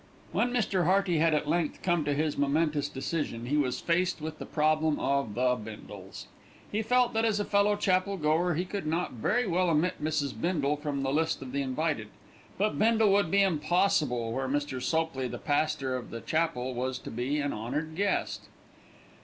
When Mr. Hearty had at length come to his momentous decision, he was faced with the problem of the Bindles. He felt that as a fellow chapel goer he could not very well omit Mrs. Bindle from the list of the invited; but Bindle would be impossible where Mr. Sopley, the pastor of the chapel, was to be an honoured guest.